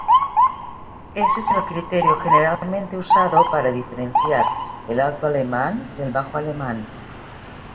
Ese es el criterio generalmente usado para diferenciar el alto alemán del bajo alemán.